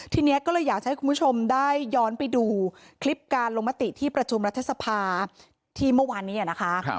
ทีนี้ก็เลยอยากจะให้คุณผู้ชมได้ย้อนไปดูคลิปการลงมติที่ประชุมรัฐสภาที่เมื่อวานนี้นะคะ